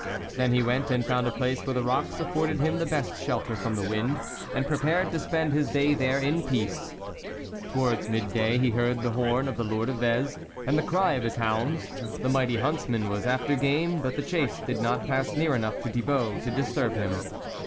Then he went and found a place where the rocks afforded him the best shelter from the wind, and prepared to spend his day there in peace. Towards mid day, he heard the horn of the Lord of Vez, and the cry of his hounds ; the mighty hunts man was after game, but the chase did not pass near enough to Thibault to dis turb him.